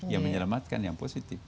yang menyelamatkan yang positif